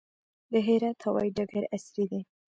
د هرات هوايي ډګر عصري دی